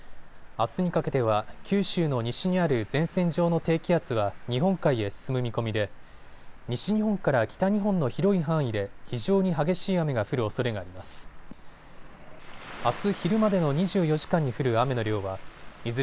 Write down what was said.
あすにかけては九州の西にある前線上の低気圧は日本海へ進む見込みで西日本から北日本の広い範囲で非常に激しい雨が降るおそれがあります。